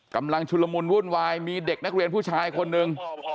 กำลังชุลมุนวุ่นวายมีเด็กนักเรียนผู้ชายคนหนึ่ง